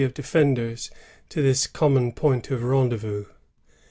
83 of defenders to this the common point of rendezvous.